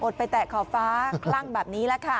ไปแตะขอบฟ้าคลั่งแบบนี้แหละค่ะ